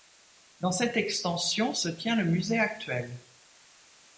Dans cette extension se tient le musée actuel.